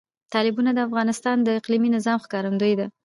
تالابونه د افغانستان د اقلیمي نظام ښکارندوی ده.